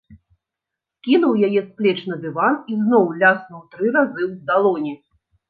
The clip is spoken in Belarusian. Скінуў яе з плеч на дыван і зноў ляснуў тры разы ў далоні.